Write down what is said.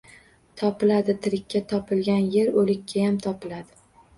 — Topiladi, tirikka topilgan yer, o‘likkayam topiladi!